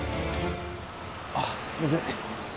あっすいません。